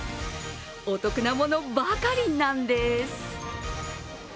お得なものばかりなんです。